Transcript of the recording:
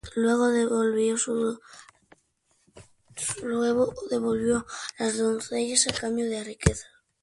Luego devolvió a las doncellas, a cambio de riquezas.